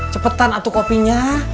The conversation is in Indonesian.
cepetan atuh kopinya